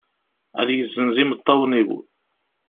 Ad yezzenz imeṭṭawen-iw.